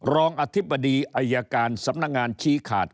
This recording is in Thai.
รองอธิบดีอายการสำนักงานชี้ขาด